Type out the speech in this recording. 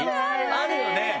あるよね！